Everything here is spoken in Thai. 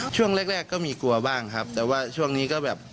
ช่วงแรกแรกก็มีกลัวบ้างครับแต่ว่าช่วงนี้ก็แบบ